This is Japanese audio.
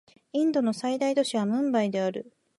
インドの最大都市はムンバイである